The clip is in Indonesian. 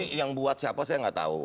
ini yang buat siapa saya nggak tahu